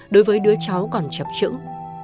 đối với đứa cháu còn chập trững